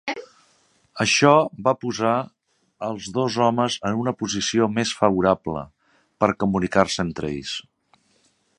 Això va posar els dos homes en una posició més favorable per comunicar-se entre ells.